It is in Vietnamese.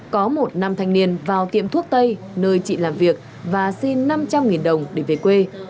có một nam thanh niên vào tiệm thuốc tây nơi chị làm việc và xin năm trăm linh đồng để về quê